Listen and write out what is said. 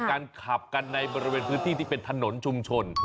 กันขับกันในบริเวณพื้นที่ที่เป็นถนนชุมชน